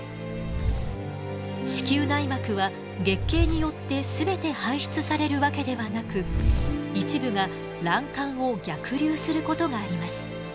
子宮内膜は月経によって全て排出されるわけではなく一部が卵管を逆流することがあります。